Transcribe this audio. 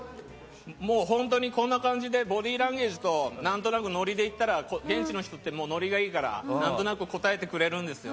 こんな感じでボディーランゲージと何となくノリでいったら現地の人ってノリがいいから何となく答えてくれるんですよ。